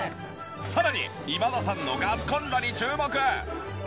さらに今田さんのガスコンロに注目！